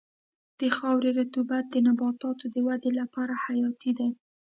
د خاورې رطوبت د نباتاتو د ودې لپاره حیاتي دی.